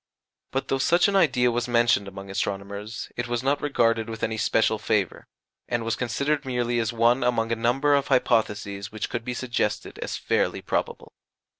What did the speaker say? But though such an idea was mentioned among astronomers, it was not regarded with any special favour, and was considered merely as one among a number of hypotheses which could be suggested as fairly probable.